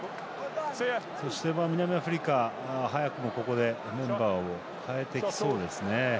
そして、南アフリカ早くも、ここでメンバーを代えてきそうですね。